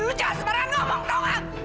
lu jangan sebarang ngomong tau nggak